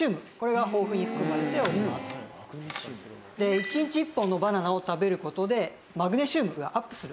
１日１本のバナナを食べる事でマグネシウムがアップする。